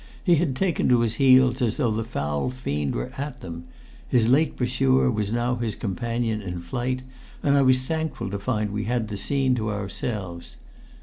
He had taken to his heels as though the foul fiend were at them; his late pursuer was now his companion in flight, and I was thankful to find we had the scene to ourselves.